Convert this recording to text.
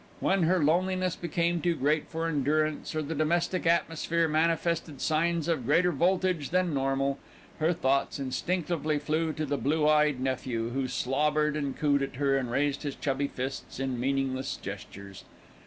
When her loneliness became too great for endurance, or the domestic atmosphere manifested signs of a greater voltage than the normal, her thoughts instinctively flew to the blue eyed nephew, who slobbered and cooed at her and raised his chubby fists in meaningless gestures.